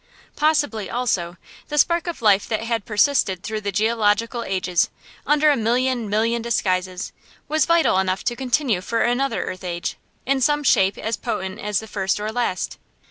Possibly, also, the spark of life that had persisted through the geological ages, under a million million disguises, was vital enough to continue for another earth age, in some shape as potent as the first or last.